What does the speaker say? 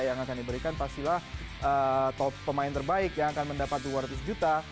yang akan diberikan pastilah pemain terbaik yang akan mendapat dua ratus juta